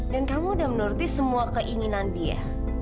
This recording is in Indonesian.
dan kamu udah menuruti semua keinginan dia